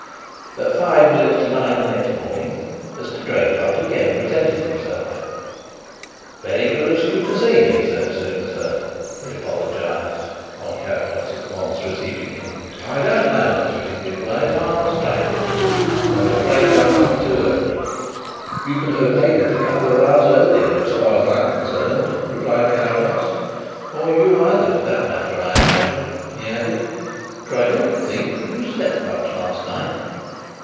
At five minutes to nine the next morning Mr. Draycott again presented himself. "Very good of you to see me so soon, sir," he apologized, on Carrados at once receiving him. "I don't know much of English ways I'm an Australian and I was afraid it might be too early." "You could have made it a couple of hours earlier as far as I am concerned," replied Carrados. "Or you either for that matter, I imagine," he added, "for I don't think that you slept much last night."